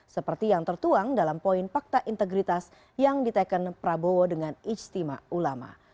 seperti yang tertuang dalam poin fakta integritas yang diteken prabowo dengan ijtima ulama